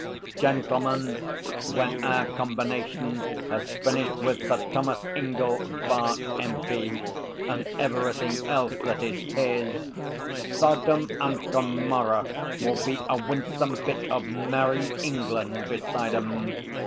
'Gentlemen, when our combination has finished with Sir Thomas Ingell, Bart., M.P., and everything else that is his, Sodom and Gomorrah will be a winsome bit of Merrie England beside 'em.